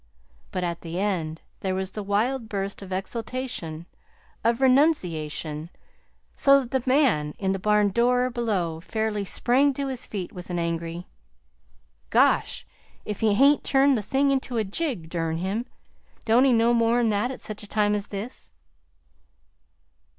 But, at the end, there was the wild burst of exaltation of renunciation, so that the man in the barn door below fairly sprang to his feet with an angry: "Gosh! if he hain't turned the thing into a jig durn him! Don't he know more'n that at such a time as this?"